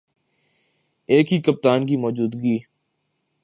ایک ہی کپتان کی موجودگی